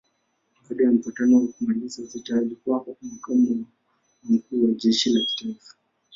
Baada ya mapatano ya kumaliza vita alikuwa makamu wa mkuu wa jeshi la kitaifa.